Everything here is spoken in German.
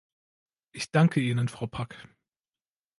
Ich danke Ihnen, Frau Pack.